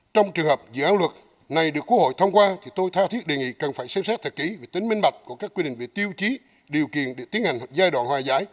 trong trường hợp dự án luật này được quốc hội thông qua thì tôi tha thiết đề nghị cần phải xem xét thật kỹ về tính minh bạch của các quy định về tiêu chí điều kiện để tiến hành giai đoạn hòa giải